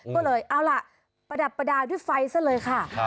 ก็เลยเอาล่ะประดับประดาษด้วยไฟซะเลยค่ะ